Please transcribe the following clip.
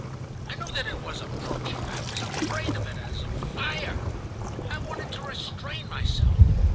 I knew that it was approaching; I was afraid of it as of fire; I wanted to restrain myself.